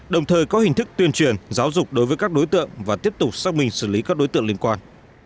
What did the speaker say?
đồng thời có hình thức tuyên truyền giáo dục đối với các đối tượng và tiếp tục xác minh xử lý các đối tượng liên quan